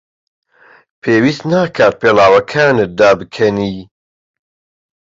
پێویست ناکات پێڵاوەکانت دابکەنی.